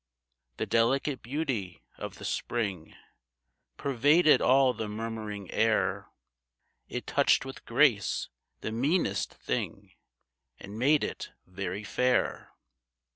The delicate beauty of the spring Pervaded all the murmuring air ; It touched with grace the meanest thing And made it very fair.